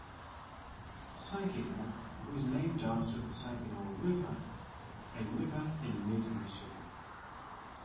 Saginaw was named after the Saginaw River, a river in mid-Michigan.